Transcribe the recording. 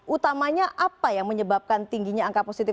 utamanya apa yang menyebabkan tingginya angka positif